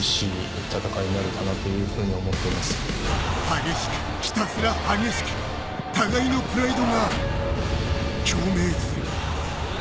激しく、ひたすら激しく互いのプライドが共鳴する。